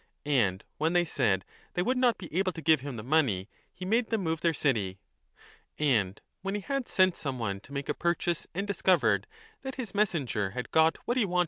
And when they said that they would not be able to give him the money he made them move their city. And when he had sent some one to make a purchase and discovered that his messenger had got what he wanted 1 Reading ye for re (W. D.